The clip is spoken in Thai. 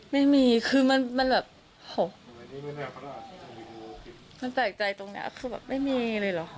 ไม่มีคือมันมันแบบมันแปลกใจตรงเนี้ยคือแบบไม่มีเลยเหรอ